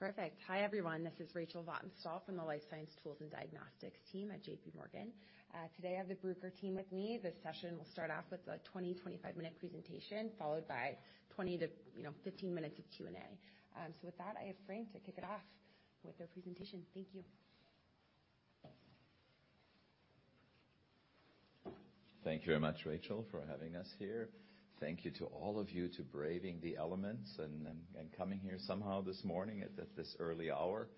Perfect. Hi, everyone. This is Rachel Vatnsdal from the Life Science Tools and Diagnostics team at JPMorgan. Today I have the Bruker team with me. This session will start off with a 20-25-minute presentation, followed by 20 to, you know, 15 minutes of Q&A. With that, I have Frank to kick it off with their presentation. Thank you. Thank you very much, Rachel, for having us here. Thank you to all of you to braving the elements and coming here somehow this morning at this early hour.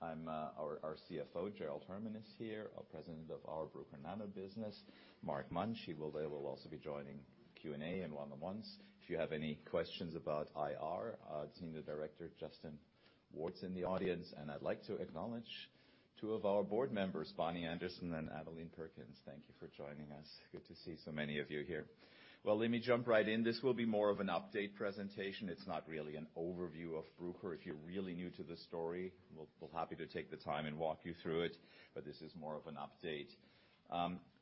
I'm. Our CFO, Gerald Herman, is here. Our president of our Bruker NANO business, Mark Munch, they will also be joining Q&A in one-on-ones. If you have any questions about IR, our senior director, Justin Ward's in the audience. I'd like to acknowledge two of our board members, Bonnie Anderson and Adelene Perkins. Thank you for joining us. Good to see so many of you here. Let me jump right in. This will be more of an update presentation. It's not really an overview of Bruker. If you're really new to the story, we'll happy to take the time and walk you through it, but this is more of an update.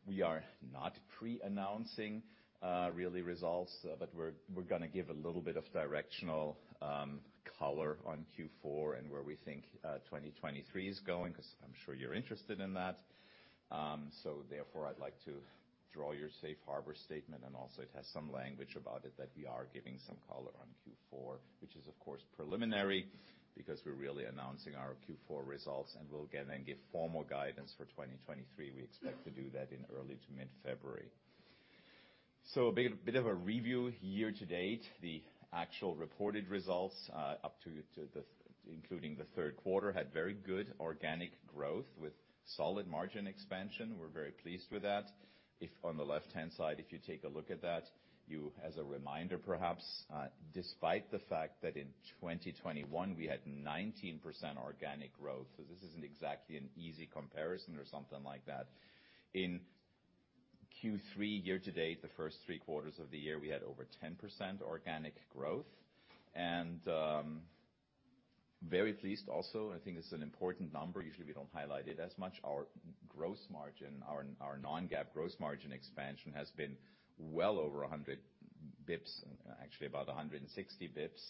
We are not pre-announcing really results, but we're gonna give a little bit of directional color on Q4 and where we think 2023 is going, 'cause I'm sure you're interested in that. Therefore, I'd like to draw your safe harbor statement, and also it has some language about it that we are giving some color on Q4, which is of course, preliminary because we're really announcing our Q4 results, and we'll get and give formal guidance for 2023. We expect to do that in early to mid-February. A bit of a review. Year to date, the actual reported results up to the third quarter, had very good organic growth with solid margin expansion. We're very pleased with that. If on the left-hand side, if you take a look at that, you... As a reminder perhaps, despite the fact that in 2021, we had 19% organic growth, so this isn't exactly an easy comparison or something like that. In Q3 year to date, the first three quarters of the year, we had over 10% organic growth. Very pleased also, I think this is an important number, usually we don't highlight it as much. Our gross margin, our non-GAAP gross margin expansion has been well over 100 bips, actually about 160 bips.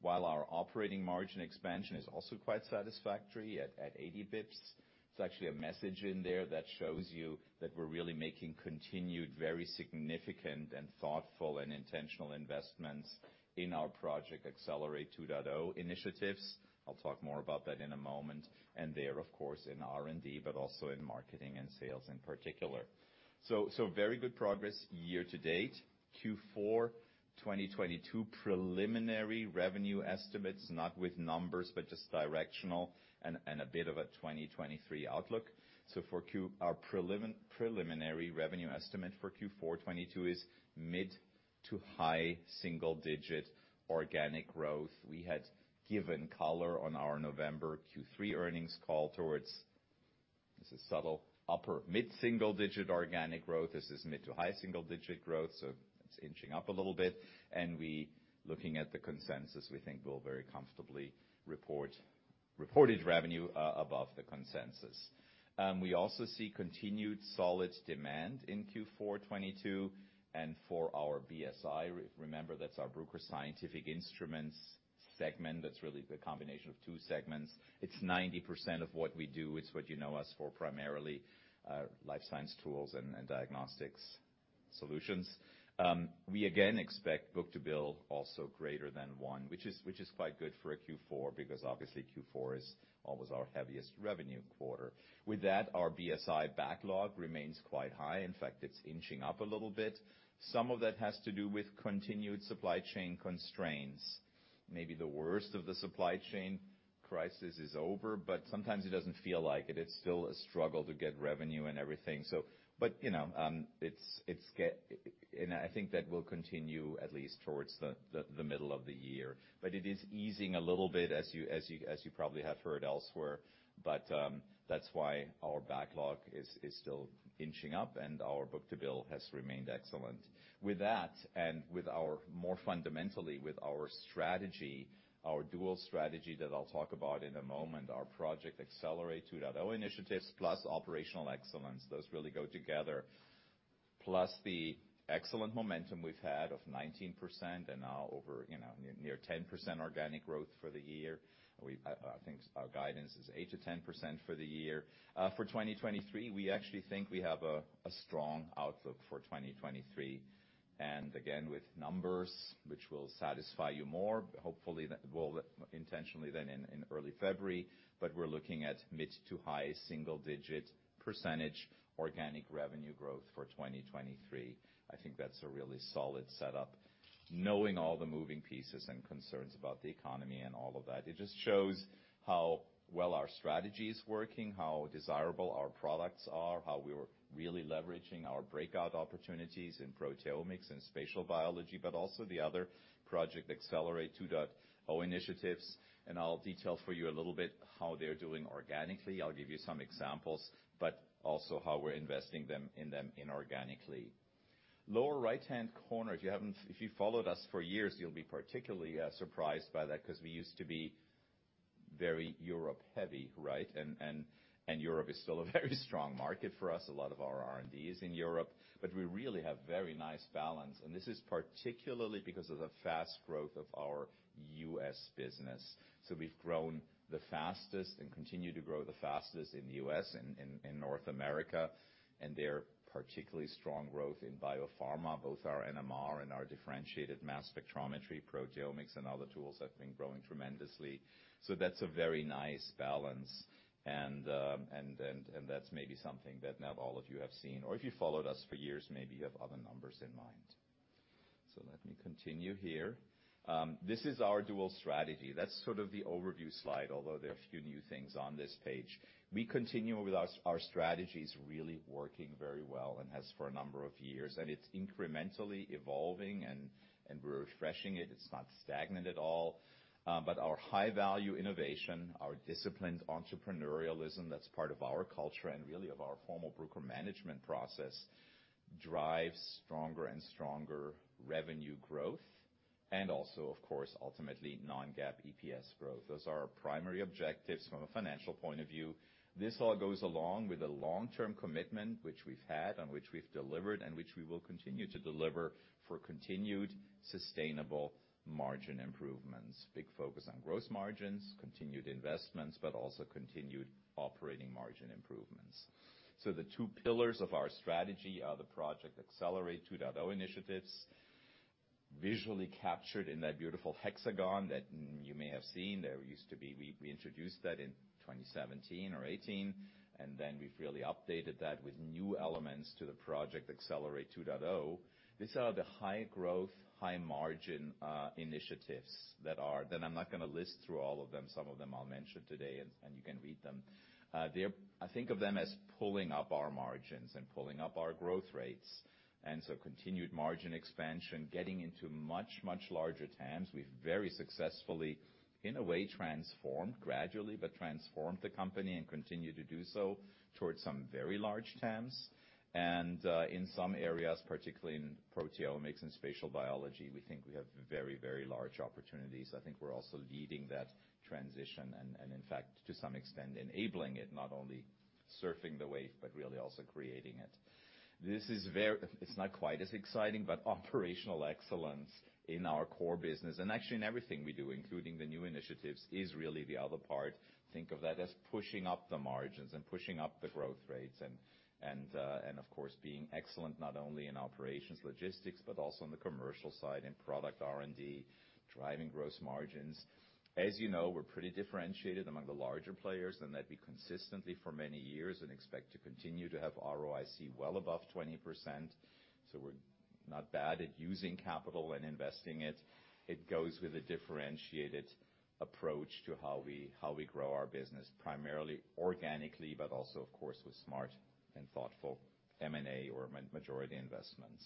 While our operating margin expansion is also quite satisfactory at 80 bips. It's actually a message in there that shows you that we're really making continued, very significant and thoughtful and intentional investments in our Project Accelerate 2.0 initiatives. I'll talk more about that in a moment. There, of course, in R&D, but also in marketing and sales in particular. Very good progress year to date. Q4 2022 preliminary revenue estimates, not with numbers, but just directional and a bit of a 2023 outlook. Our preliminary revenue estimate for Q4 2022 is mid to high single digit organic growth. We had given color on our November Q3 earnings call towards, this is subtle, upper mid single digit organic growth. This is mid to high single digit growth, so it's inching up a little bit. Looking at the consensus, we think we'll very comfortably report reported revenue above the consensus. We also see continued solid demand in Q4 2022. For our BSI, remember, that's our Bruker Scientific Instruments segment. That's really the combination of two segments. It's 90% of what we do. It's what you know us for primarily, life science tools and diagnostics solutions. We again expect book-to-bill also greater than 1, which is quite good for a Q4, because obviously Q4 is always our heaviest revenue quarter. With that, our BSI backlog remains quite high. In fact, it's inching up a little bit. Some of that has to do with continued supply chain constraints. Maybe the worst of the supply chain crisis is over, but sometimes it doesn't feel like it. It's still a struggle to get revenue and everything. But, you know, it's get... I think that will continue at least towards the middle of the year. It is easing a little bit as you probably have heard elsewhere. That's why our backlog is still inching up and our book-to-bill has remained excellent. With that, more fundamentally, with our strategy, our dual strategy that I'll talk about in a moment, our Project Accelerate 2.0 initiatives plus operational excellence, those really go together. Plus the excellent momentum we've had of 19% and now over, you know, near 10% organic growth for the year. I think our guidance is 8%-10% for the year. For 2023, we actually think we have a strong outlook for 2023. Again, with numbers which will satisfy you more, hopefully we'll intentionally then in early February, but we're looking at mid to high single digit percentage organic revenue growth for 2023. I think that's a really solid setup. Knowing all the moving pieces and concerns about the economy and all of that, it just shows how well our strategy is working, how desirable our products are, how we're really leveraging our breakout opportunities in proteomics and spatial biology, but also the other Project Accelerate 2.0 initiatives. I'll detail for you a little bit how they're doing organically. I'll give you some examples, but also how we're investing in them inorganically. Lower right-hand corner, If you followed us for years, you'll be particularly surprised by that because we used to be very Europe heavy, right? Europe is still a very strong market for us. A lot of our R&D is in Europe, but we really have very nice balance, and this is particularly because of the fast growth of our U.S. business. We've grown the fastest and continue to grow the fastest in U.S., in North America, and they're particularly strong growth in biopharma. Both our NMR and our differentiated mass spectrometry proteomics and other tools have been growing tremendously. That's a very nice balance. That's maybe something that not all of you have seen, or if you followed us for years, maybe you have other numbers in mind. Let me continue here. This is our dual strategy. That's sort of the overview slide, although there are a few new things on this page. We continue with our strategy's really working very well and has for a number of years, and it's incrementally evolving and we're refreshing it. It's not stagnant at all. Our high value innovation, our disciplined entrepreneurial-ism that's part of our culture and really of our formal Bruker management process, drives stronger and stronger revenue growth and also, of course, ultimately non-GAAP EPS growth. Those are our primary objectives from a financial point of view. This all goes along with a long-term commitment, which we've had and which we've delivered and which we will continue to deliver for continued sustainable margin improvements. Big focus on gross margins, continued investments, but also continued operating margin improvements. The two pillars of our strategy are the Project Accelerate 2.0 initiatives, visually captured in that beautiful hexagon that you may have seen. We introduced that in 2017 or 2018. We've really updated that with new elements to the Project Accelerate 2.0. These are the high growth, high margin, initiatives that are... I'm not gonna list through all of them. Some of them I'll mention today and you can read them. I think of them as pulling up our margins and pulling up our growth rates, and so continued margin expansion, getting into much, much larger TAMs. We've very successfully, in a way, transformed, gradually, but transformed the company and continue to do so towards some very large TAMs. In some areas, particularly in proteomics and spatial biology, we think we have very, very large opportunities. I think we're also leading that transition and in fact, to some extent enabling it, not only surfing the wave, but really also creating it. It's not quite as exciting, but operational excellence in our core business and actually in everything we do, including the new initiatives, is really the other part. Think of that as pushing up the margins and pushing up the growth rates and of course, being excellent not only in operations logistics, but also on the commercial side in product R&D, driving gross margins. As you know, we're pretty differentiated among the larger players, and that we consistently for many years and expect to continue to have ROIC well above 20%. We're not bad at using capital and investing it. It goes with a differentiated approach to how we grow our business, primarily organically, but also of course, with smart and thoughtful M&A or majority investments.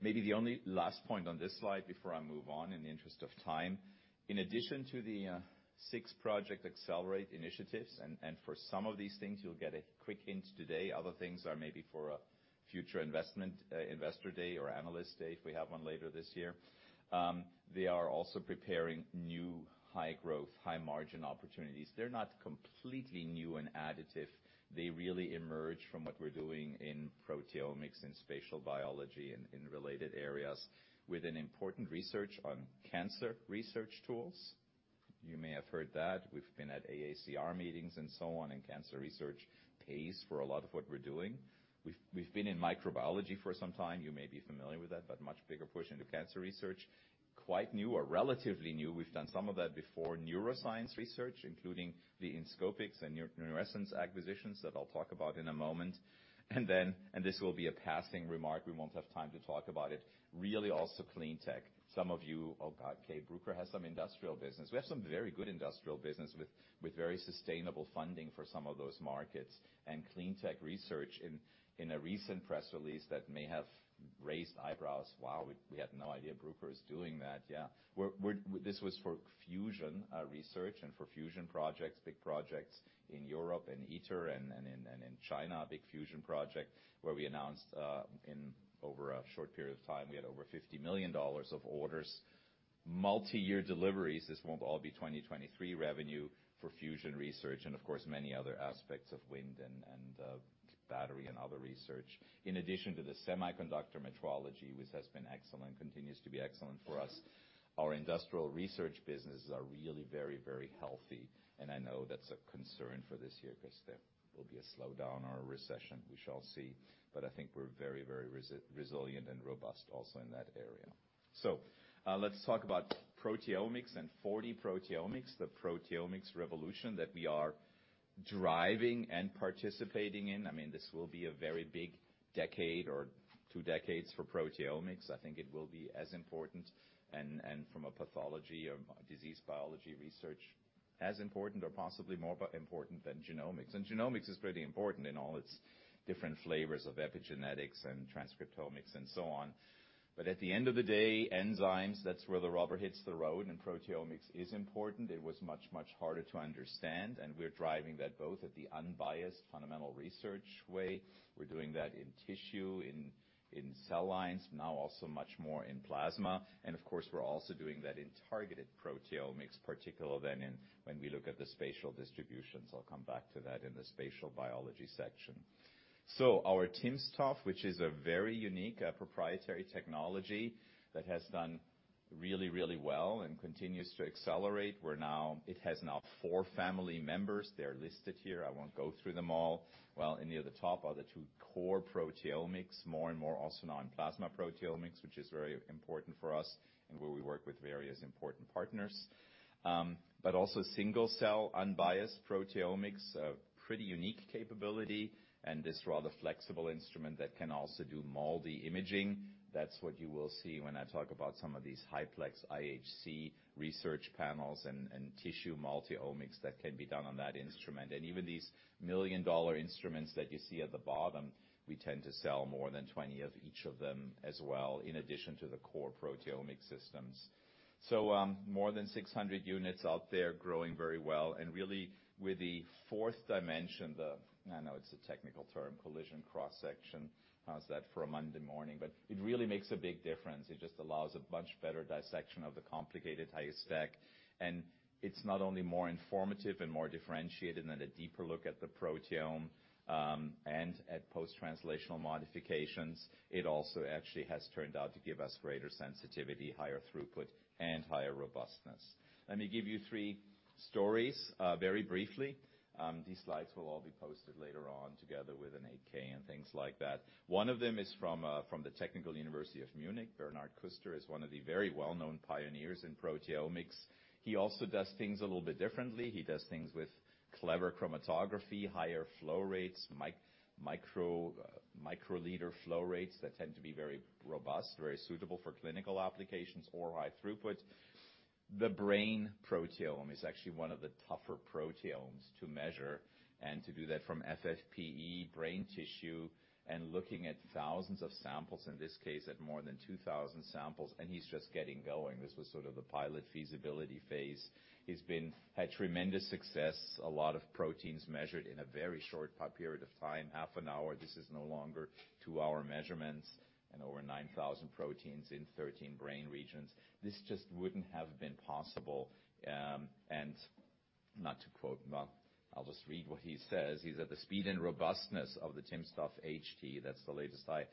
Maybe the only last point on this slide before I move on in the interest of time, in addition to the 6 Project Accelerate initiatives, and for some of these things, you'll get a quick hint today. Other things are maybe for a future investment, investor day or analyst day if we have one later this year. They are also preparing new high growth, high margin opportunities. They're not completely new and additive. They really emerge from what we're doing in proteomics and spatial biology and in related areas with an important research on cancer research tools. You may have heard that. We've been at AACR meetings and so on, and cancer research pays for a lot of what we're doing. We've been in microbiology for some time. You may be familiar with that, but much bigger push into cancer research. Quite new or relatively new, we've done some of that before, neuroscience research, including the Inscopix and Neurescence acquisitions that I'll talk about in a moment. This will be a passing remark, we won't have time to talk about it, really also clean tech. Some of you, "Oh, God, Bruker has some industrial business." We have some very good industrial business with very sustainable funding for some of those markets. Clean tech research in a recent press release that may have raised eyebrows, "Wow, we had no idea Bruker is doing that." Yeah. We're... This was for fusion research and for fusion projects, big projects in Europe, in ITER and in China, a big fusion project where we announced in over a short period of time, we had over $50 million of orders. Multi-year deliveries, this won't all be 2023 revenue for fusion research and of course, many other aspects of wind and battery and other research. In addition to the semiconductor metrology, which has been excellent, continues to be excellent for us. Our industrial research businesses are really very, very healthy. I know that's a concern for this year because there will be a slowdown or a recession. We shall see. I think we're very, very resilient and robust also in that area. Let's talk about proteomics and 4D-proteomics, the proteomics revolution that we are driving and participating in. I mean, this will be a very big decade or two decades for proteomics. I think it will be as important and from a pathology or disease biology research as important or possibly more important than genomics. Genomics is pretty important in all its different flavors of epigenetics and transcriptomics and so on. At the end of the day, enzymes, that's where the rubber hits the road, and proteomics is important. It was much, much harder to understand, and we're driving that both at the unbiased fundamental research way. We're doing that in tissue, in cell lines, now also much more in plasma. Of course, we're also doing that in targeted proteomics, particular than in when we look at the spatial distributions. I'll come back to that in the spatial biology section. Our timsTOF, which is a very unique proprietary technology that has done really, really well and continues to accelerate. It has now four family members. They're listed here. I won't go through them all. Near the top are the two core proteomics, more and more also now in plasma proteomics, which is very important for us and where we work with various important partners. also single-cell unbiased proteomics, a pretty unique capability, and this rather flexible instrument that can also do MALDI imaging. That's what you will see when I talk about some of these HiPLEX IHC research panels and tissue multi-omics that can be done on that instrument. Even these $1 million instruments that you see at the bottom, we tend to sell more than 20 of each of them as well, in addition to the core proteomic systems. More than 600 units out there growing very well and really with the fourth dimension, I know it's a technical term, collision cross-section. How's that for a Monday morning? It really makes a big difference. It just allows a much better dissection of the complicated high stack. It's not only more informative and more differentiated and a deeper look at the proteome and at post-translational modifications, it also actually has turned out to give us greater sensitivity, higher throughput, and higher robustness. Let me give you three stories very briefly. These slides will all be posted later on together with an 8-K and things like that. One of them is from the Technical University of Munich. Bernhard Küster is one of the very well-known pioneers in proteomics. He also does things a little bit differently. He does things with clever chromatography, higher flow rates, microliter flow rates that tend to be very robust, very suitable for clinical applications or high throughput. The brain proteome is actually one of the tougher proteomes to measure and to do that from FFPE brain tissue and looking at thousands of samples, in this case, at more than 2,000 samples, and he's just getting going. This was sort of a pilot feasibility phase. He had tremendous success. A lot of proteins measured in a very short period of time, half an hour. This is no longer 2-hour measurements and over 9,000 proteins in 13 brain regions. This just wouldn't have been possible. Not to quote, but I'll just read what he says. He said, "The speed and robustness of the timsTOF HT," that's the latest high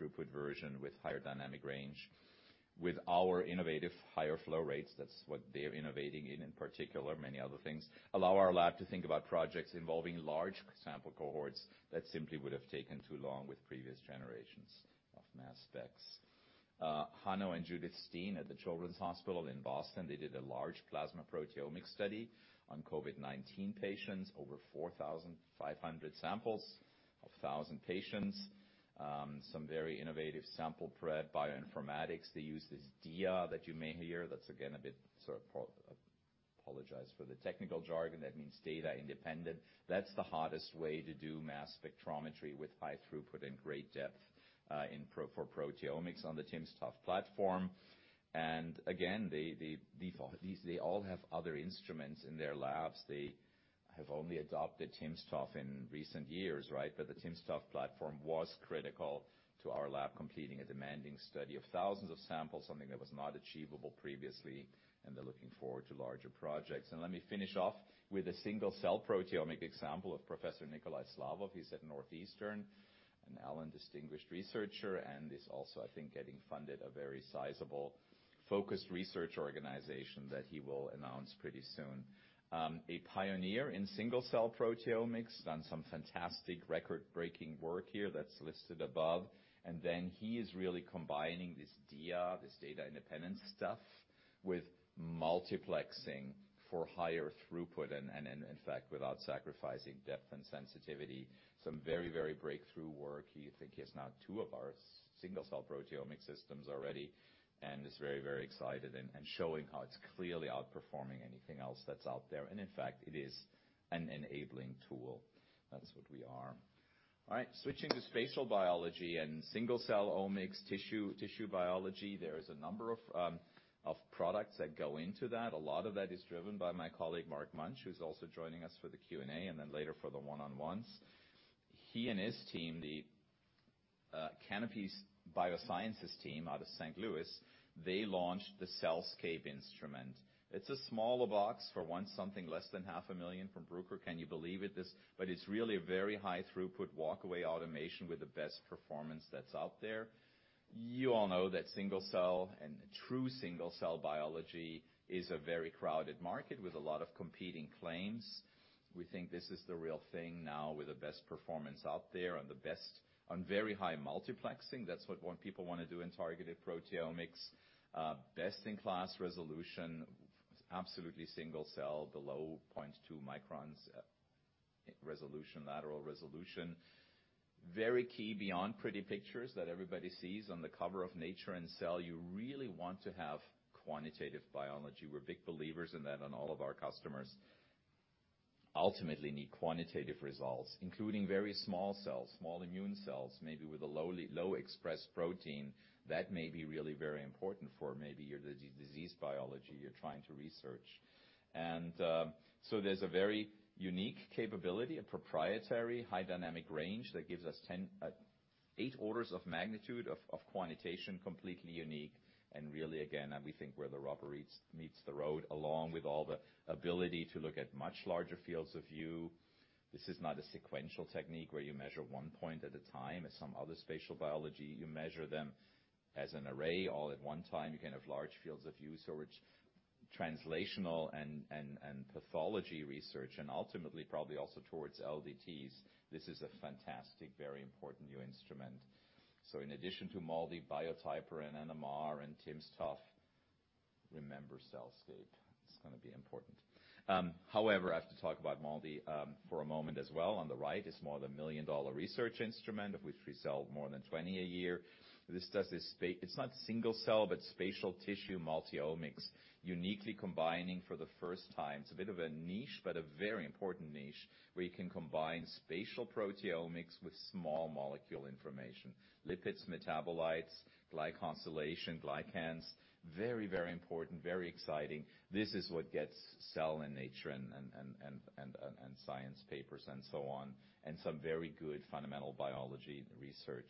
throughput version with higher dynamic range, "with our innovative higher flow rates," that's what they're innovating in particular, many other things, "allow our lab to think about projects involving large sample cohorts that simply would have taken too long with previous generations of mass specs." Hanno and Judith Steen at Boston Children's Hospital, they did a large plasma proteomic study on COVID-19 patients, over 4,500 samples, 1,000 patients, some very innovative sample prep bioinformatics. They use this DIA that you may hear. That's again, a bit sort of. Apologize for the technical jargon. That means data independent. That's the hardest way to do mass spectrometry with high throughput and great depth for proteomics on the timsTOF platform. Again, they, these, they all have other instruments in their labs. They have only adopted timsTOF in recent years, right? The timsTOF platform was critical to our lab completing a demanding study of thousands of samples, something that was not achievable previously, and they're looking forward to larger projects. Let me finish off with a single-cell proteomic example of Professor Nikolai Slavov. He's at Northeastern, an Allen Distinguished Investigator, and is also, I think, getting funded a very sizable focused research organization that he will announce pretty soon. A pioneer in single-cell proteomics, done some fantastic record-breaking work here that's listed above. He is really combining this DIA, this data independent stuff, with multiplexing for higher throughput and in fact, without sacrificing depth and sensitivity. Some very breakthrough work. He has now two of our single-cell proteomic systems already and is very, very excited and showing how it's clearly outperforming anything else that's out there. In fact, it is an enabling tool. That's what we are. All right. Switching to spatial biology and single-cell omics tissue biology. There is a number of products that go into that. A lot of that is driven by my colleague, Mark Munch, who's also joining us for the Q&A and then later for the one-on-ones. He and his team, the Canopy Biosciences team out of St. Louis, they launched the CellScape instrument. It's a smaller box for one, something less than half a million from Bruker. Can you believe it? It's really a very high throughput walkaway automation with the best performance that's out there. You all know that single cell and true single cell biology is a very crowded market with a lot of competing claims. We think this is the real thing now with the best performance out there and the best on very high multiplexing. That's what people wanna do in targeted proteomics. Best in class resolution, absolutely single cell, below 0.2 microns resolution, lateral resolution. Very key beyond pretty pictures that everybody sees on the cover of Nature and Cell. You really want to have quantitative biology. We're big believers in that and all of our customers ultimately need quantitative results, including very small cells, small immune cells, maybe with a low expressed protein that may be really very important for maybe your disease biology you're trying to research. There's a very unique capability, a proprietary high dynamic range that gives us eight orders of magnitude of quantitation, completely unique and really again, I think where the rubber meets the road, along with all the ability to look at much larger fields of view. This is not a sequential technique where you measure one point at a time as some other spatial biology. You measure them as an array all at one time. You can have large fields of view. It's translational and pathology research, and ultimately probably also towards LDTs. This is a fantastic, very important new instrument. In addition to MALDI, Biotyper, and NMR, and timsTOF, remember CellScape. It's gonna be important. However, I have to talk about MALDI for a moment as well. On the right is more than a $1 million research instrument, of which we sell more than 20 a year. This does it's not single cell, but spatial tissue multi-omics, uniquely combining for the first time. It's a bit of a niche, but a very important niche, where you can combine spatial proteomics with small molecule information. Lipids, metabolites, Glycosylation, glycans. Very important. Very exciting. This is what gets Cell and Nature and Science papers and so on, and some very good fundamental biology research.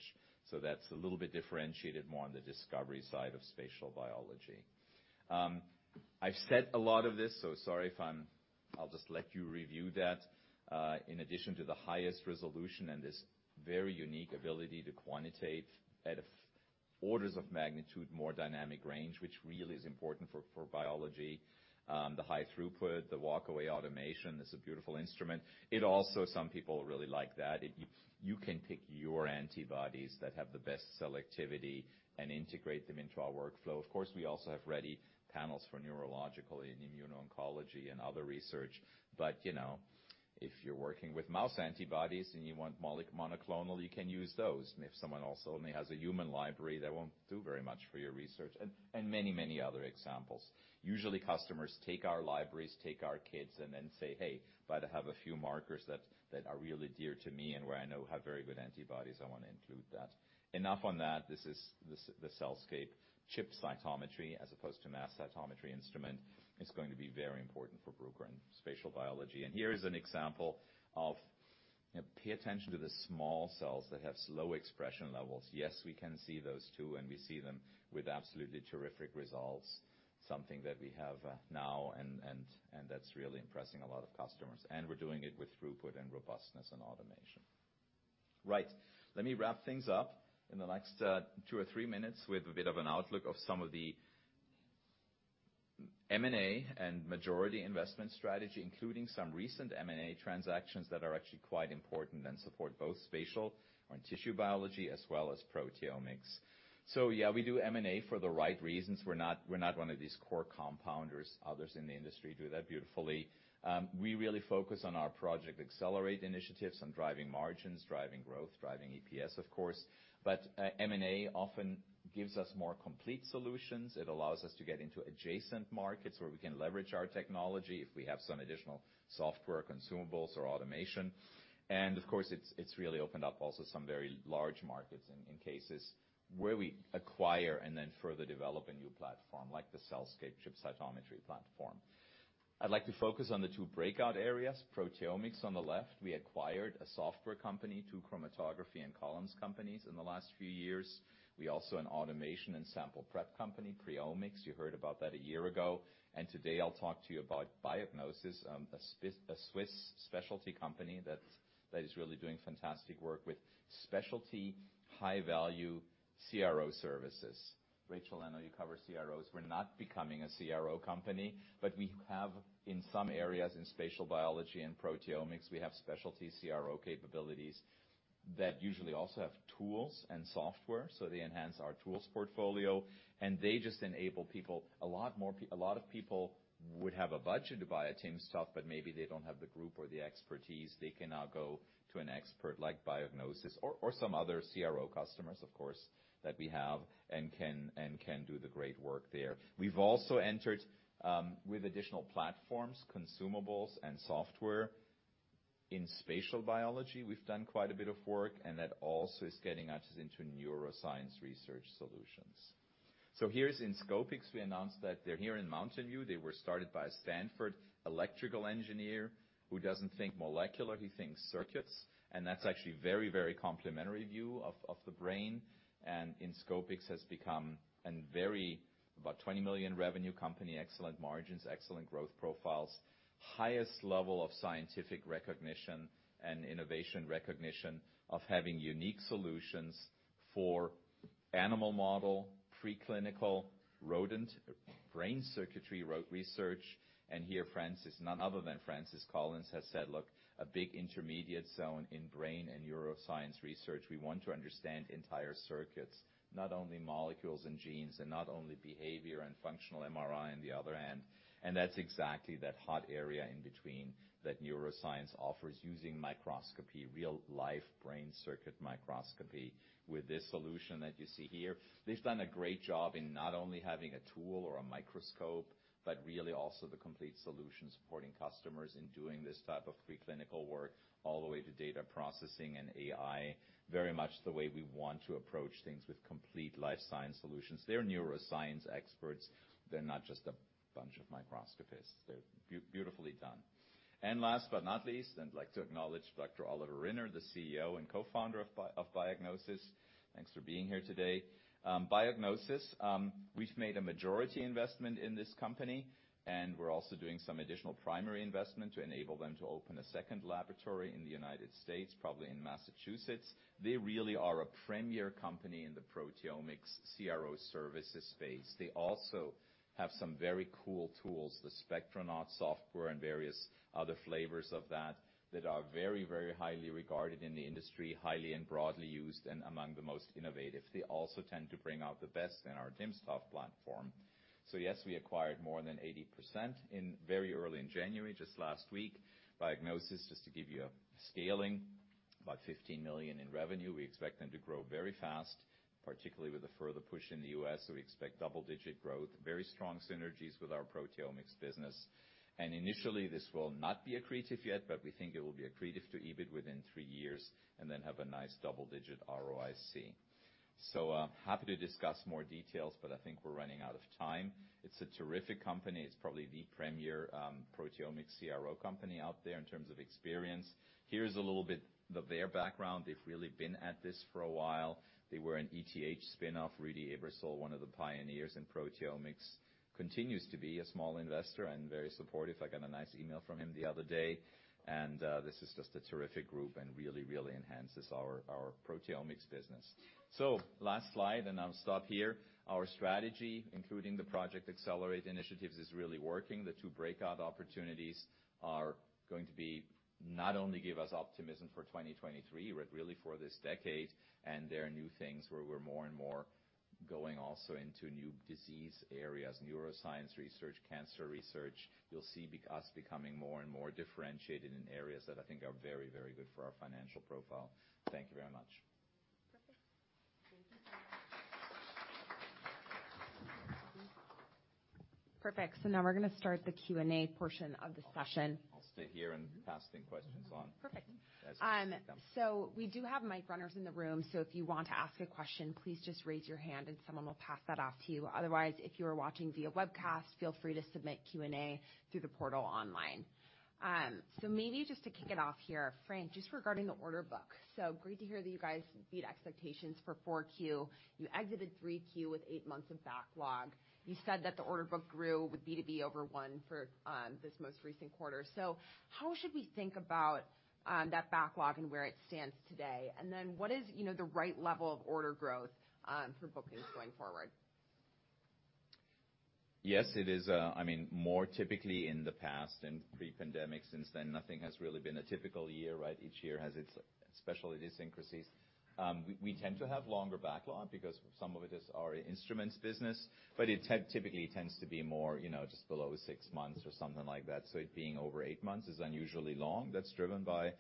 That's a little bit differentiated, more on the discovery side of spatial biology. I've said a lot of this, so sorry if I'll just let you review that. In addition to the highest resolution and this very unique ability to quantitate at orders of magnitude more dynamic range, which really is important for biology. The high throughput, the walkaway automation, it's a beautiful instrument. It also, some people really like that you can pick your antibodies that have the best cell activity and integrate them into our workflow. Of course, we also have ready panels for neurological and immuno-oncology and other research. You know, if you're working with mouse antibodies and you want monoclonal, you can use those. If someone also only has a human library, that won't do very much for your research and many other examples. Usually customers take our libraries, take our kits and then say, "Hey, but I have a few markers that are really dear to me and where I know have very good antibodies. I wanna include that." Enough on that, this is the CellScape ChipCytometry as opposed to mass cytometry instrument. It's going to be very important for Bruker in spatial biology. Here is an example of, pay attention to the small cells that have slow expression levels. Yes, we can see those too, and we see them with absolutely terrific results, something that we have now and that's really impressing a lot of customers. We're doing it with throughput and robustness and automation. Right. Let me wrap things up in the next, two or three minutes with a bit of an outlook of some of the M&A and majority investment strategy, including some recent M&A transactions that are actually quite important and support both spatial and tissue biology as well as proteomics. Yeah, we do M&A for the right reasons. We're not, we're not one of these core compounders. Others in the industry do that beautifully. We really focus on our Project Accelerate initiatives on driving margins, driving growth, driving EPS of course. M&A often gives us more complete solutions. It allows us to get into adjacent markets where we can leverage our technology if we have some additional software, consumables or automation. Of course, it's really opened up also some very large markets in cases where we acquire and then further develop a new platform like the CellScape ChipCytometry platform. I'd like to focus on the two breakout areas. proteomics on the left. We acquired a software company, two chromatography and columns companies in the last few years. We also an automation and sample prep company, PreOmics. You heard about that a year ago. Today I'll talk to you about Biognosys, a Swiss specialty company that is really doing fantastic work with specialty high-value CRO services. Rachel, I know you cover CROs. We're not becoming a CRO company, but we have in some areas in spatial biology and proteomics, we have specialty CRO capabilities that usually also have tools and software, so they enhance our tools portfolio, and they just enable people a lot more... A lot of people would have a budget to buy a timsTOF, maybe they don't have the group or the expertise. They can now go to an expert like Biognosys or some other CRO customers, of course, that we have and can do the great work there. We've also entered with additional platforms, consumables and software. In spatial biology, we've done quite a bit of work, that also is getting us into neuroscience research solutions. Here's Inscopix, we announced that they're here in Mountain View. They were started by a Stanford electrical engineer who doesn't think molecular, he thinks circuits, and that's actually very, very complementary view of the brain. Inscopix has become a very about $20 million revenue company, excellent margins, excellent growth profiles, highest level of scientific recognition and innovation recognition of having unique solutions for animal model, preclinical, rodent brain circuitry research. Here Francis, none other than Francis Collins, has said, "Look, a big intermediate zone in brain and neuroscience research, we want to understand entire circuits, not only molecules and genes, and not only behavior and functional MRI on the other end." That's exactly that hot area in between that Offers using microscopy, real-life brain circuit microscopy with this solution that you see here. They've done a great job in not only having a tool or a microscope, but really also the complete solution supporting customers in doing this type of pre-clinical work all the way to data processing and AI. Very much the way we want to approach things with complete life science solutions. They're neuroscience experts. They're not just a bunch of microscopists. They're beautifully done. Last but not least, I'd like to acknowledge Dr. Oliver Rinner, the CEO and co-founder of Biognosys. Thanks for being here today. Biognosys, we've made a majority investment in this company, and we're also doing some additional primary investment to enable them to open a second laboratory in the United States, probably in Massachusetts. They really are a premier company in the proteomics CRO services space. They also have some very cool tools, the Spectronaut software and various other flavors of that are very, very highly regarded in the industry, highly and broadly used, and among the most innovative. They also tend to bring out the best in our timstalk platform. Yes, we acquired more than 80% very early in January, just last week. Biognosys, just to give you a scaling, about $15 million in revenue. We expect them to grow very fast, particularly with the further push in the U.S. We expect double-digit growth, very strong synergies with our proteomics business. Initially, this will not be accretive yet, but we think it will be accretive to EBIT within 3 years and then have a nice double-digit ROIC. Happy to discuss more details, but I think we're running out of time. It's a terrific company. It's probably the premier proteomics CRO company out there in terms of experience. Here's a little bit of their background. They've really been at this for a while. They were an ETH spinoff. Ruedi Aebersold, one of the pioneers in proteomics, continues to be a small investor and very supportive. I got a nice email from him the other day. This is just a terrific group and really enhances our proteomics business. Last slide, and I'll stop here. Our strategy, including the Project Accelerate initiatives, is really working. The two breakout opportunities not only give us optimism for 2023, but really for this decade. There are new things where we're more and more going also into new disease areas, neuroscience research, cancer research. You'll see us becoming more and more differentiated in areas that I think are very, very good for our financial profile. Thank you very much. Perfect. Thank you so much. Perfect. Now we're going to start the Q&A portion of the session. I'll stay here and pass any questions on. Perfect. We do have mic runners in the room. If you want to ask a question, please just raise your hand and someone will pass that off to you. Otherwise, if you are watching via webcast, feel free to submit Q&A through the portal online. Maybe just to kick it off here, Frank, just regarding the order book. Great to hear that you guys beat expectations for 4Q. You exited 3Q with eight months of backlog. You said that the order book grew with B2B over 1 for this most recent quarter. How should we think about that backlog and where it stands today? What is, you know, the right level of order growth for bookings going forward? Yes, it is, I mean, more typically in the past and pre-pandemic, since then, nothing has really been a typical year, right? Each year has its special idiosyncrasies. We tend to have longer backlog because some of it is our instruments business, but it typically tends to be more, you know, just below six months or something like that. So it being over eight months is unusually long. That's driven by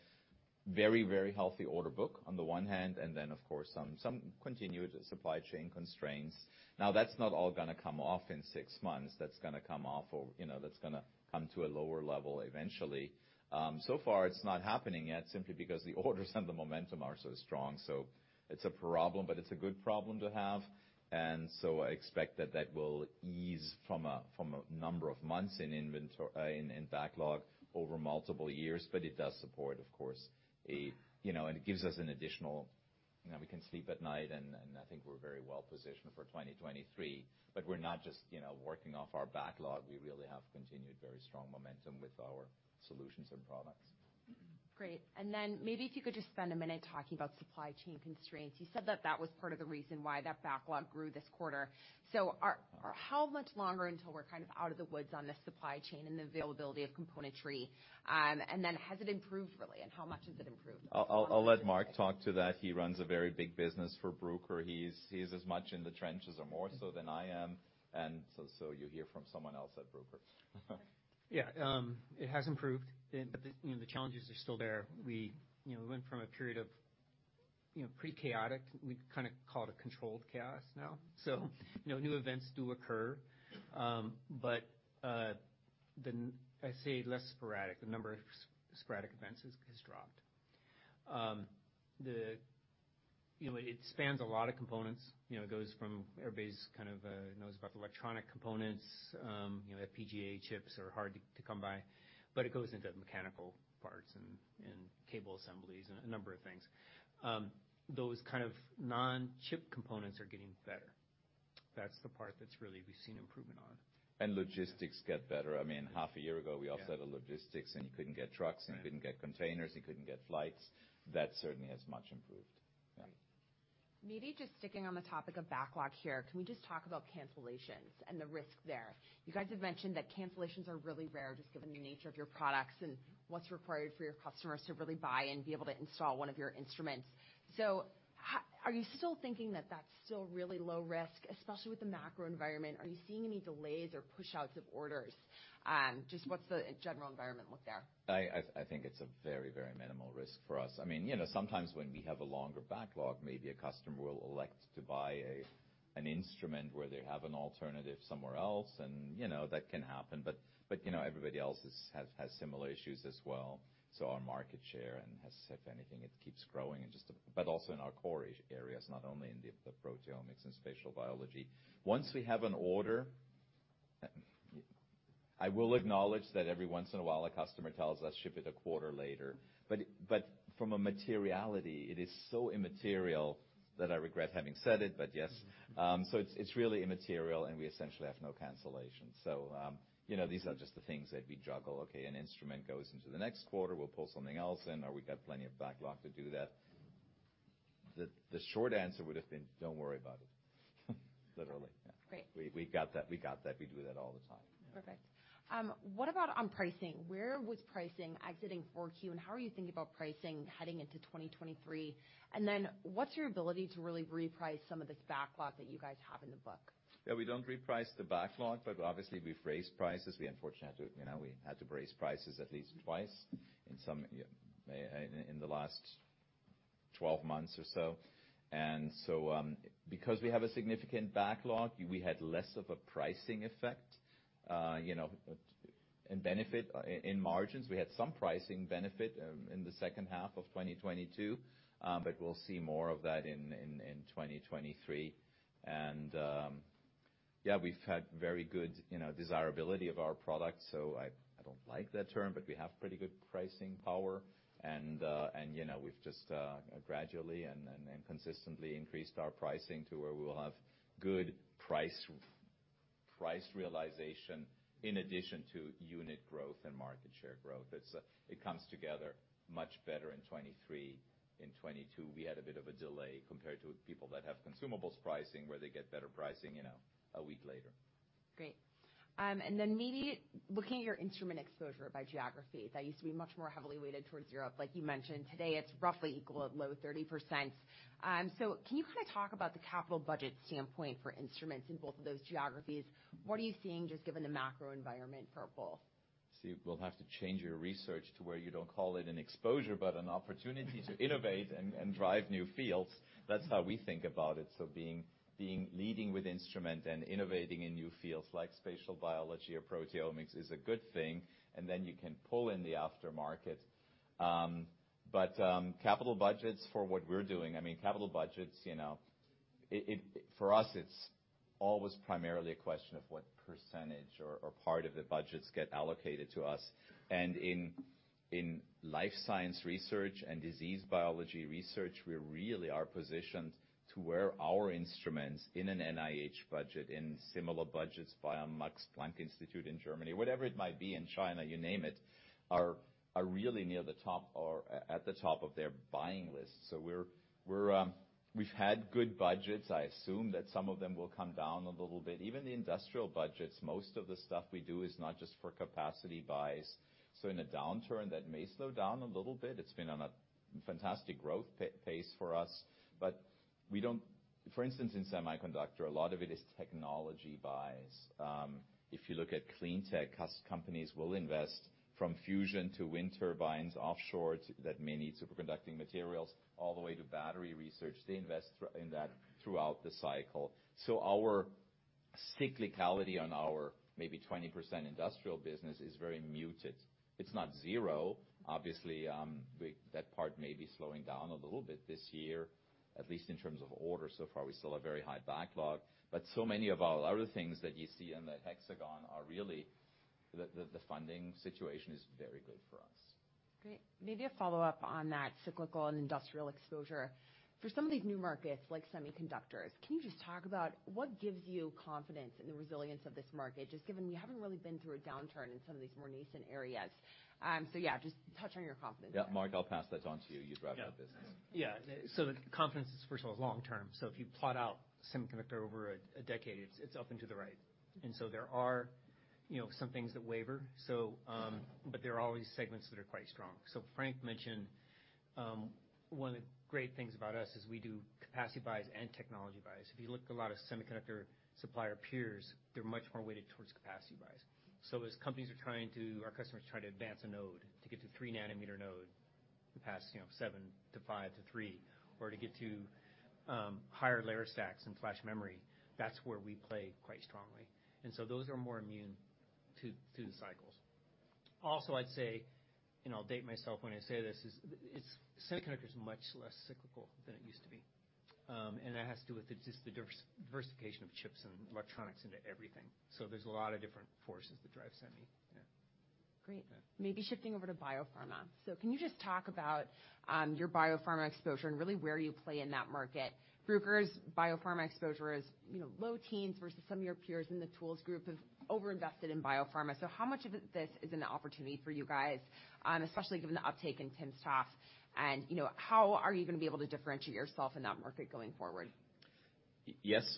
very healthy order book on the one hand, and then, of course, some continued supply chain constraints. Now, that's not all gonna come off in six months. That's gonna come off or, you know, that's gonna come to a lower level eventually. So far it's not happening yet simply because the orders and the momentum are so strong. So it's a problem, but it's a good problem to have. I expect that that will ease from a number of months in backlog over multiple years, but it does support, of course, a. You know, it gives us an additional, you know, we can sleep at night, and I think we're very well positioned for 2023. We're not just, you know, working off our backlog. We really have continued very strong momentum with our solutions and products. Great. Maybe if you could just spend a minute talking about supply chain constraints. You said that that was part of the reason why that backlog grew this quarter. How much longer until we're kind of out of the woods on the supply chain and the availability of componentry? Has it improved really, and how much has it improved? I'll let Mark talk to that. He runs a very big business for Bruker. He's as much in the trenches or more so than I am. So you'll hear from someone else at Bruker. Mark. It has improved, but the, you know, the challenges are still there. We, you know, went from a period of, you know, pretty chaotic. We kinda call it a controlled chaos now. You know, new events do occur, but I say less sporadic. The number of sporadic events has dropped. You know, it spans a lot of components. You know, it goes from everybody's kind of knows about the electronic components, you know, the FPGA chips are hard to come by, but it goes into mechanical parts and cable assemblies and a number of things. Those kind of non-chip components are getting better. That's the part that's really we've seen improvement on. Logistics get better. I mean, half a year ago, we all settled logistics, and you couldn't get trucks, and you couldn't get containers, and you couldn't get flights. That certainly has much improved. Yeah. Maybe just sticking on the topic of backlog here, can we just talk about cancellations and the risk there? You guys have mentioned that cancellations are really rare, just given the nature of your products and what's required for your customers to really buy and be able to install one of your instruments. Are you still thinking that that's still really low risk, especially with the macro environment? Are you seeing any delays or pushouts of orders? Just what's the general environment look there? I think it's a very, very minimal risk for us. I mean, you know, sometimes when we have a longer backlog, maybe a customer will elect to buy an instrument where they have an alternative somewhere else. You know, that can happen. You know, everybody else has similar issues as well. Our market share, if anything, it keeps growing. Also in our core areas, not only in the proteomics and spatial biology. Once we have an order, I will acknowledge that every once in a while, a customer tells us, "Ship it a quarter later." From a materiality, it is so immaterial that I regret having said it, but yes. It's really immaterial, and we essentially have no cancellation. You know, these are just the things that we juggle. An instrument goes into the next quarter, we'll pull something else in, or we got plenty of backlog to do that. The short answer would have been, "Don't worry about it." Literally. Great. We got that, we got that. We do that all the time. Perfect. What about on pricing? Where was pricing exiting 4Q, and how are you thinking about pricing heading into 2023? What's your ability to really reprice some of this backlog that you guys have in the book? Yeah, we don't reprice the backlog, but obviously we've raised prices. We unfortunately had to, you know, we had to raise prices at least twice in some in the last 12 months or so. Because we have a significant backlog, we had less of a pricing effect. You know, and benefit in margins. We had some pricing benefit in the second half of 2022, but we'll see more of that in 2023. Yeah, we've had very good, you know, desirability of our products, so I don't like that term, but we have pretty good pricing power and, you know, we've just gradually and consistently increased our pricing to where we will have good price realization in addition to unit growth and market share growth. It's, it comes together much better in 23. In 22, we had a bit of a delay compared to people that have consumables pricing, where they get better pricing, you know, a week later. Great. Maybe looking at your instrument exposure by geography, that used to be much more heavily weighted towards Europe. Like you mentioned today, it's roughly equal at low 30%. Can you kind of talk about the capital budget standpoint for instruments in both of those geographies? What are you seeing just given the macro environment for both? See, we'll have to change your research to where you don't call it an exposure, but an opportunity to innovate and drive new fields. That's how we think about it. Being leading with instrument and innovating in new fields like spatial biology or proteomics is a good thing, and then you can pull in the aftermarket. Capital budgets for what we're doing, I mean, capital budgets, you know, it for us, it's always primarily a question of what percentage or part of the budgets get allocated to us. In life science research and disease biology research, we really are positioned to where our instruments in an NIH budget, in similar budgets via Max Planck Institute in Germany, whatever it might be in China, you name it, are really near the top or at the top of their buying list. We've had good budgets. I assume that some of them will come down a little bit. Even the industrial budgets, most of the stuff we do is not just for capacity buys. In a downturn, that may slow down a little bit. It's been on a fantastic growth pace for us. For instance, in semiconductor, a lot of it is technology buys. If you look at clean tech, companies will invest from fusion to wind turbines offshore that may need superconducting materials all the way to battery research. They invest in that throughout the cycle. Our cyclicality on our maybe 20% industrial business is very muted. It's not zero. Obviously, that part may be slowing down a little bit this year, at least in terms of orders. Far, we still have very high backlog. Many of our other things that you see in that hexagon are really the funding situation is very good for us. Great. Maybe a follow-up on that cyclical and industrial exposure. For some of these new markets like semiconductors, can you just talk about what gives you confidence in the resilience of this market, just given you haven't really been through a downturn in some of these more nascent areas? Yeah, just touch on your confidence. Yeah. Mark, I'll pass that on to you. You drive that business. Yeah. The confidence is, first of all, long term. If you plot out semiconductor over a decade, it's up and to the right. There are, you know, some things that waver. There are always segments that are quite strong. Frank mentioned, one of the great things about us is we do capacity buys and technology buys. If you look at a lot of semiconductor supplier peers, they're much more weighted towards capacity buys. As companies are trying, our customers are trying to advance a node to get to three nanometer node past, you know, seven to five to three, or to get to higher layer stacks and flash memory, that's where we play quite strongly. Those are more immune to the cycles. I'd say, and I'll date myself when I say this, Semiconductor is much less cyclical than it used to be. That has to do with the just the diversification of chips and electronics into everything. There's a lot of different forces that drive semi. Yeah. Great. Yeah. Maybe shifting over to biopharma. Can you just talk about your biopharma exposure and really where you play in that market? Bruker's biopharma exposure is, you know, low teens versus some of your peers in the tools group have overinvested in biopharma. How much of it this is an opportunity for you guys, especially given the uptake in timsTOF? You know, how are you gonna be able to differentiate yourself in that market going forward?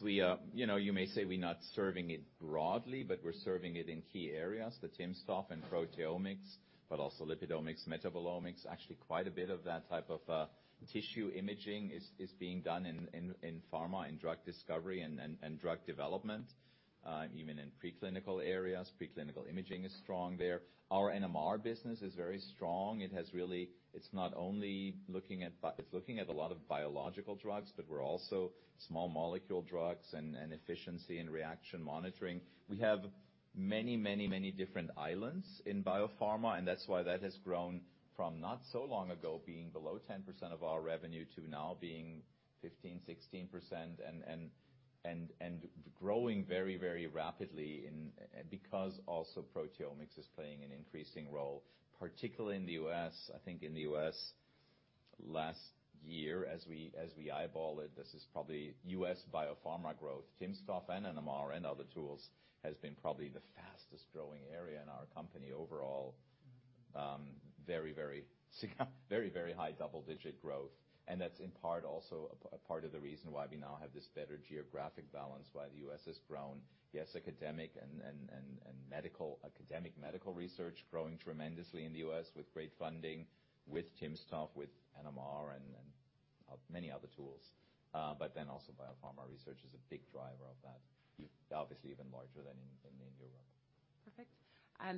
We, you know, you may say we're not serving it broadly, but we're serving it in key areas, the timsTOF and proteomics, but also lipidomics, metabolomics. Actually, quite a bit of that type of tissue imaging is being done in pharma, in drug discovery and drug development, even in preclinical areas. Preclinical imaging is strong there. Our NMR business is very strong. It's not only looking at a lot of biological drugs, but we're also small molecule drugs and efficiency and reaction monitoring. We have many, many, many different islands in biopharma, and that's why that has grown from not so long ago being below 10% of our revenue to now being 15%, 16% and growing very, very rapidly because also proteomics is playing an increasing role, particularly in the U.S. I think in the U.S. last year as we eyeball it, this is probably U.S. biopharma growth. timsTOF and NMR and other tools has been probably the fastest growing area in our company overall. Very, very high double-digit growth. That's in part also part of the reason why we now have this better geographic balance, why the U.S. has grown. Yes, academic and academic medical research growing tremendously in the U.S. with great funding, with timsTOF, with NMR, and many other tools. Also biopharma research is a big driver of that. Obviously, even larger than in Europe. Perfect.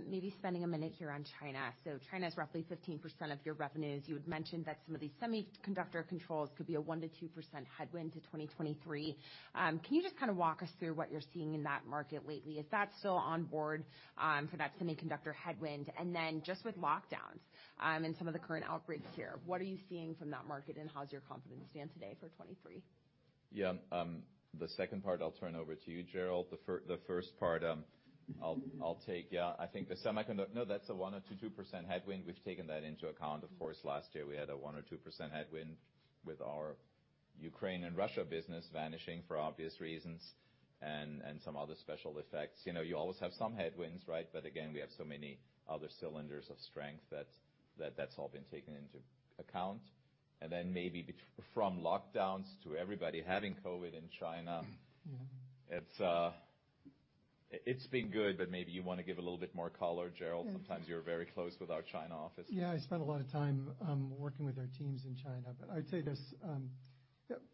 Maybe spending a minute here on China. China is roughly 15% of your revenues. You had mentioned that some of these semiconductor controls could be a 1%-2% headwind to 2023. Can you just kind of walk us through what you're seeing in that market lately? Is that still on board for that semiconductor headwind? Just with lockdowns, and some of the current outbreaks here, what are you seeing from that market, and how does your confidence stand today for 2023? The second part, I'll turn over to you, Gerald. The first part, I'll take. I think the No, that's a 1%-2% headwind. We've taken that into account. Of course, last year, we had a 1% or 2% headwind with our Ukraine and Russia business vanishing for obvious reasons and some other special effects. You know, you always have some headwinds, right? Again, we have so many other cylinders of strength that that's all been taken into account. Then maybe from lockdowns to everybody having COVID in China. Yeah. It's, it's been good, but maybe you wanna give a little bit more color, Gerald. Yeah. Sometimes you're very close with our China office. Yeah, I spend a lot of time working with our teams in China. I would say this,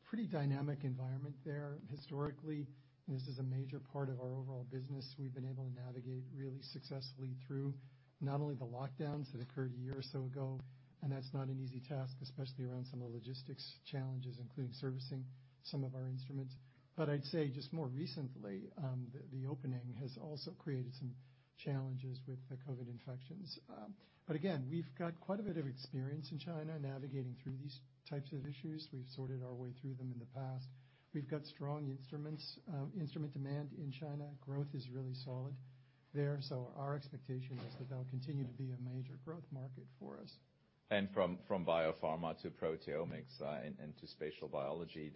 pretty dynamic environment there historically. This is a major part of our overall business. We've been able to navigate really successfully through not only the lockdowns that occurred a year or so ago, and that's not an easy task, especially around some of the logistics challenges, including servicing some of our instruments. I'd say just more recently, the opening has also created some challenges with the COVID infections. Again, we've got quite a bit of experience in China navigating through these types of issues. We've sorted our way through them in the past. We've got strong instruments, instrument demand in China. Growth is really solid there. Our expectation is that that'll continue to be a major growth market for us. From biopharma to proteomics, and to spatial biology,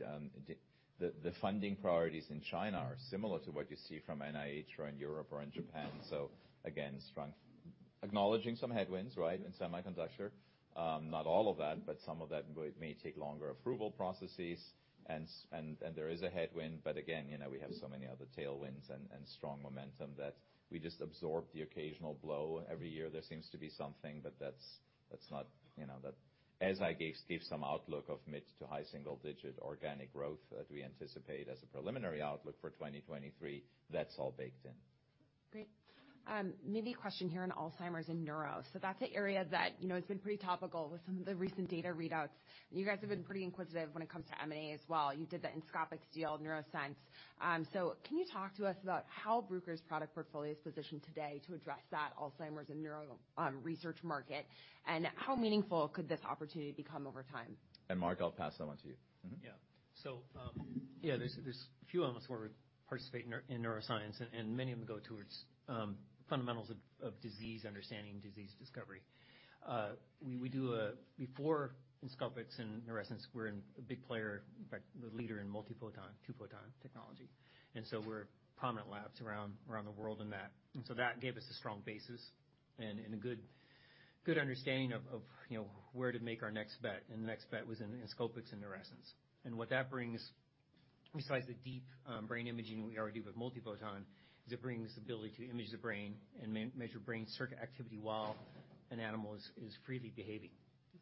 the funding priorities in China are similar to what you see from NIH or in Europe or in Japan. Again, strong acknowledging some headwinds, right, in semiconductor. Not all of that, but some of that may take longer approval processes. There is a headwind, but again, you know, we have so many other tailwinds and strong momentum that we just absorb the occasional blow. Every year, there seems to be something, but that's not, you know, that. As I gave some outlook of mid to high single-digit organic growth that we anticipate as a preliminary outlook for 2023, that's all baked in. Great. Maybe a question here on Alzheimer's and neuro. That's an area that, you know, has been pretty topical with some of the recent data readouts. You guys have been pretty inquisitive when it comes to M&A as well. You did the Inscopix deal, Neurescence. Can you talk to us about how Bruker's product portfolio is positioned today to address that Alzheimer's and neuro research market? How meaningful could this opportunity become over time? Mark, I'll pass that on to you. Mm-hmm. Yeah. Yeah, there's a few of them where we participate in neuroscience, and many of them go towards fundamentals of disease understanding, disease discovery. Before Inscopix and Neurescence, we're a big player, in fact, the leader in multiphoton, two-photon technology. We're prominent labs around the world in that. That gave us a strong basis and a good understanding of, you know, where to make our next bet. The next bet was in Inscopix and Neurescence. What that brings, besides the deep brain imaging we already do with multiphoton, is it brings the ability to image the brain and measure brain circuit activity while an animal is freely behaving.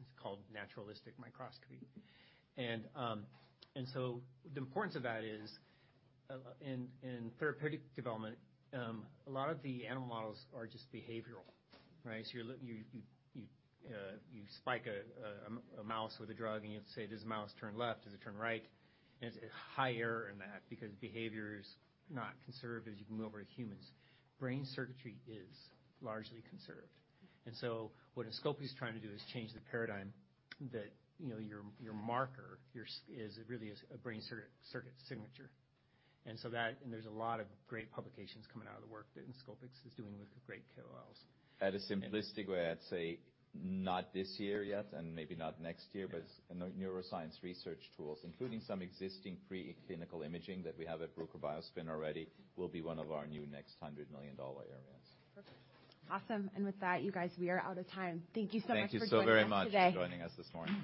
It's called naturalistic microscopy. The importance of that is in therapeutic development, a lot of the animal models are just behavioral, right? You spike a mouse with a drug, and you say, "Does the mouse turn left? Does it turn right?" It's higher in that because behavior is not conserved as you can move over to humans. Brain circuitry is largely conserved. What Inscopix is trying to do is change the paradigm that, you know, your marker, is really is a brain circuit signature. That, there's a lot of great publications coming out of the work that Inscopix is doing with great KOLs. At a simplistic way, I'd say not this year yet and maybe not next year. Yeah. In the neuroscience research tools, including some existing preclinical imaging that we have at Bruker BioSpin already, will be one of our new next $100 million areas. Perfect. Awesome. With that, you guys, we are out of time. Thank you so much for joining us today. Thank you so very much for joining us this morning.